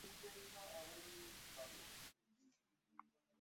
Bavuddeyo ne basaba kkooti eragire nti ebyabatusibwako aba Miritale